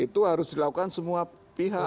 itu harus dilakukan semua pihak